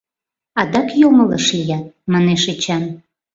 — Адак йоҥылыш лият, — манеш Эчан.